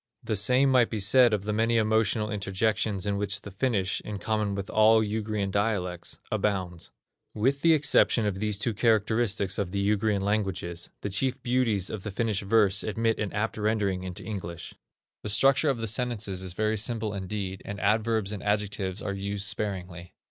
The same might be said of the many emotional interjections in which the Finnish, in common with all Ugrian dialects, abounds. With the exception of these two characteristics of the Ugrian languages, the chief beauties of the Finnish verse admit of an apt rendering into English. The structure of the sentences is very simple indeed, and adverbs and adjectives are used sparingly.